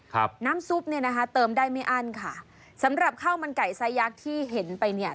ครับน้ำซุปเนี้ยนะคะเติมได้ไม่อั้นค่ะสำหรับข้าวมันไก่ไซสยักษ์ที่เห็นไปเนี่ย